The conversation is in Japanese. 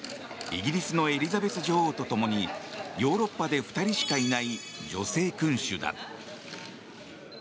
イギリスのエリザベス女王と共にヨーロッパで２人しかいない女性君主だ。